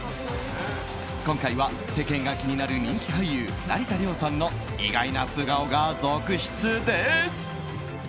今回は、世間が気になる人気俳優成田凌さんの意外な素顔が続出です。